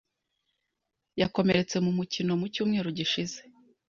Yakomeretse mu mukino mu cyumweru gishize.